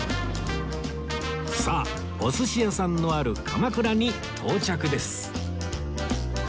さあお寿司屋さんのある鎌倉に到着です